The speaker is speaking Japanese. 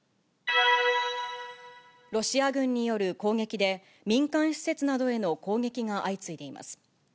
ロシア軍による攻撃で、民間施設などへの攻撃が相次いでいます。